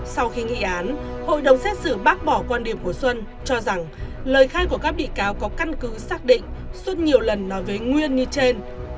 sau khi nghị án hội đồng xét xử bác bỏ quan điểm của xuân cho rằng lời khai của các bị cáo có căn cứ xác định xuân nhiều lần nói với nguyên như trên